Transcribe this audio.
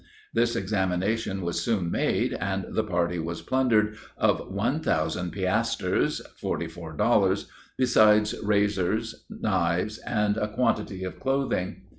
This examination was soon made, and the party was plundered of one thousand piasters, (forty four dollars,) besides razors, knives, and a quantity of clothing.